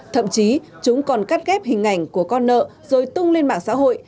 thậm chí chúng còn cắt ghép hình ảnh của con nợ rồi tung lên mạng xã hội